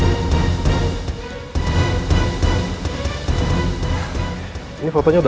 jangan lupa like subscribe share dan komen ya